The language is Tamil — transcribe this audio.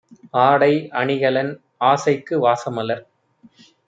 ஆடை, அணிகலன், ஆசைக்கு வாசமலர்